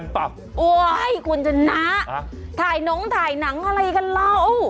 งานบาปโอ้ยคุณจะนะฮะถ่ายน้องถ่ายหนังอะไรกันแล้ว